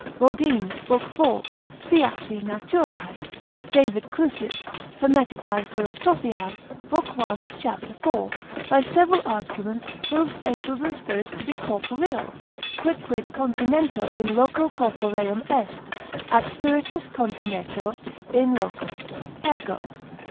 Bodine, lib. 4, Theatri Naturae and David Crusius, Hermeticae Philosophiae, lib. 1. cap. 4, by several arguments proves angels and spirits to be corporeal: quicquid continetur in loco corporeum est; At spiritus continetur in loco, ergo.